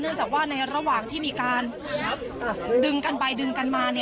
จากว่าในระหว่างที่มีการดึงกันไปดึงกันมา